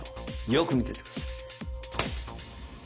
よく見てて下さい。